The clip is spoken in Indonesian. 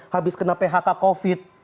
habis kena phk covid